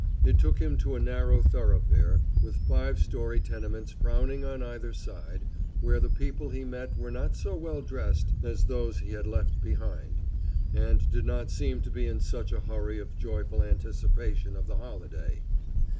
It took him to a narrow thoroughfare, with five story tenements frowning on either side, where the people he met were not so well dressed as those he had left behind, and did not seem to be in such a hurry of joyful anticipation of the holiday.